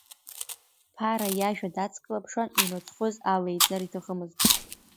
Ԥара иажәа дацклаԥшуан, имыцхәыз алеиҵар иҭахымызт.